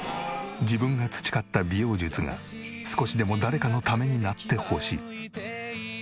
自分が培った美容術が少しでも誰かのためになってほしい。